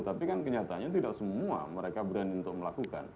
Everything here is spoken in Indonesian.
tapi kan kenyataannya tidak semua mereka berani untuk melakukan